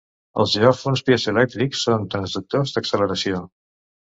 Els geòfons piezoelèctrics són transductors d'acceleració.